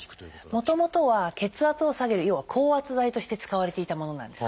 もともとは血圧を下げる要は降圧剤として使われていたものなんです。